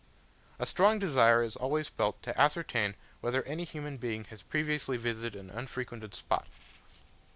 A strong desire is always felt to ascertain whether any human being has previously visited an unfrequented spot.